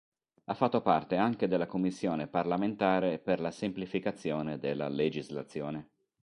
Ha fatto parte anche della Commissione parlamentare per la semplificazione della legislazione.